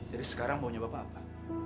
jadi sekarang maunya bapak apa